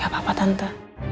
gak apa apa tante